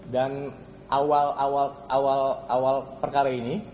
dan awal awal awal awal perkara ini